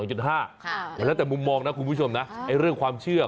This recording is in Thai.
มันแล้วแต่มุมมองนะคุณผู้ชมนะเรื่องความเชื่อ